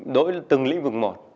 đối với từng lĩnh vực một